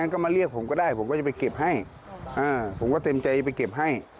ครับ